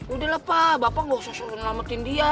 udah lah pak bapak gak usah suruh ngelametin dia